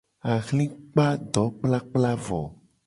Ahli kpa dokplakpla vo.